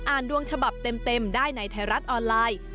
ดวงฉบับเต็มได้ในไทยรัฐออนไลน์